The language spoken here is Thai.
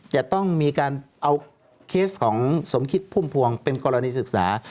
จะต้องมีการเอาเคสของสมคิดพุ่มพวงเป็นกรณีศึกษา